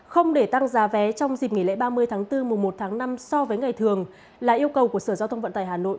không để tăng giá vé trong dịp nghỉ lễ ba mươi tháng bốn mùa một tháng năm so với ngày thường là yêu cầu của sở giao thông vận tải hà nội